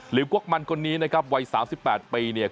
หลิวกว๊อกมันคนนี้นะครับวัยสามสิบแปดปีเนี่ย